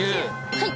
はい！